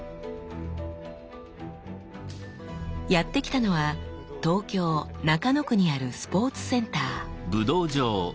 やってきたのは東京・中野区にあるスポーツセンター。